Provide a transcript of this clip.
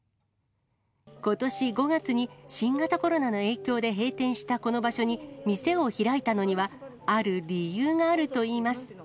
ことし５月に新型コロナの影響で閉店したこの場所に、店を開いたのにはある理由があるといいます。